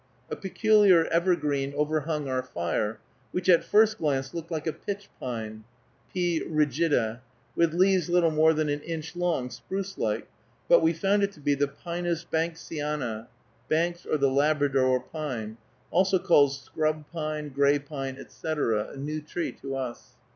A peculiar evergreen overhung our fire, which at first glance looked like a pitch pine (P. rigida), with leaves little more than an inch long, spruce like, but we found it to be the Pinus Banksiana, "Banks's, or the Labrador Pine," also called scrub pine, gray pine, etc., a new tree to us.